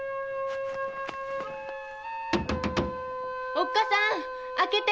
おっかさん開けて！